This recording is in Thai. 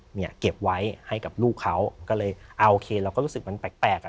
เนี่ยเก็บไว้ให้กับลูกเขาก็เลยโอเคเราก็รู้สึกมันแปลกอ่ะ